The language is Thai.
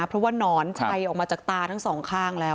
เพราะว่านอนชัยออกมาจากตาทั้งสองข้างแล้ว